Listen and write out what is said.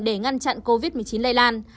để ngăn chặn covid một mươi chín lây lan